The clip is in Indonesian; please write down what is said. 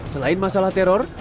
selain masalah teror